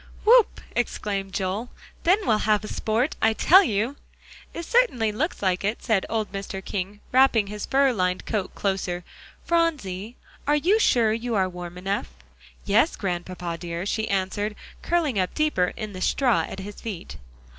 "Whoop!" exclaimed Joel, "then we will have sport, I tell you!" "It certainly looks like it," said old Mr. King, wrapping his fur lined coat closer. "Phronsie, are you sure you are warm enough?" "Yes, Grandpapa dear," she answered, curling up deeper in the straw at his feet.